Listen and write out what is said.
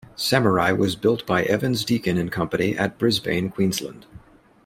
"Samarai" was built by Evans Deakin and Company at Brisbane, Queensland.